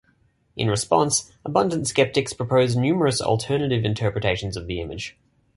In response, abundant skeptics proposed numerous alternative interpretations of the image.